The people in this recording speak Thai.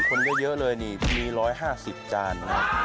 คนเยอะเลยนี่มี๑๕๐จาน